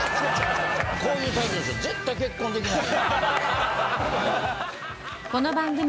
こういうタイプの人絶対結婚できない。